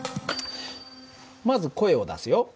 まず声を出すよ。